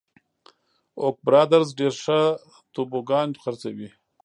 اوک برادرز ډېر ښه توبوګان خرڅوي.